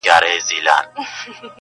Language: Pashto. چي د تل لپاره -